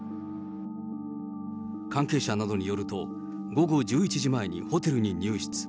関係者などによると、午後１１時前にホテルに入室。